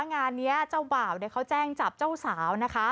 งานนี้เจ้าบ่าวเขาแจ้งจับเจ้าสาวนะคะ